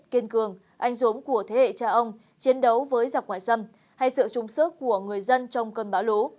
kiên cường anh dũng của thế hệ cha ông chiến đấu với dọc ngoại xâm hay sự trung sức của người dân trong cơn bão lũ